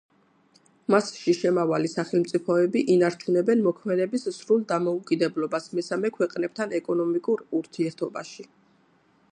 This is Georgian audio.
მასში შემავალი სახელმწიფოები ინარჩუნებენ მოქმედების სრულ დამოუკიდებლობას მესამე ქვეყნებთან ეკონომიკურ ურთიერთობაში.